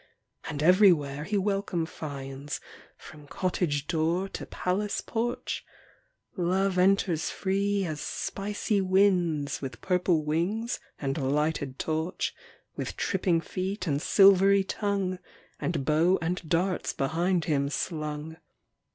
And everywhere he welcome finds, From cottage door to palace porch Love enters free as spicy winds, With purple wings and lighted torch, With tripping feet and silvery tongue, And bow and darts behind him slung.